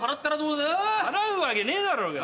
払うわけねえだろが。